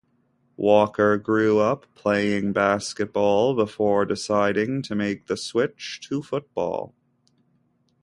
Walker grew up playing basketball before deciding to make the switch to football.